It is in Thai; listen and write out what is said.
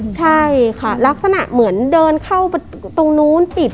ใช่ค่ะลักษณะเหมือนเดินเข้าไปตรงนู้นปิด